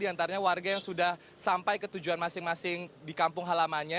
di antaranya warga yang sudah sampai ke tujuan masing masing di kampung halamannya